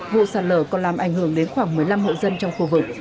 vụ sạt lở còn làm ảnh hưởng đến khoảng một mươi năm hộ dân trong khu vực